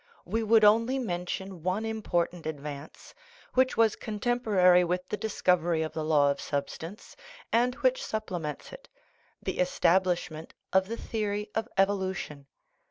We would only mention one im portant advance, which was contemporary with the dis covery of the law of substance, and which supplements it the establishment of the theory of evolution.